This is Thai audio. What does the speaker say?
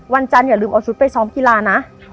วันจันทร์อย่าลืมเอาชุดไปซ้อมกีฬานะ